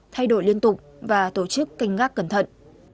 thay đổi liên tục và tổ chức canh gác cẩn thận